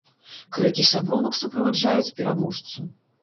Крыкі сябровак суправаджаюць пераможцу.